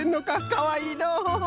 かわいいのう。